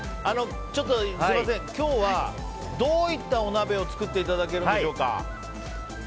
すみません、今日はどういったお鍋を作っていただけるんでしょうか。